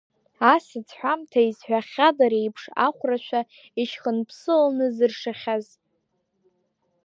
Асаӡ ҳәамҭа изҳәахьада реиԥш Ахәрашәа, ишьхынԥсыланы зыршахьаз.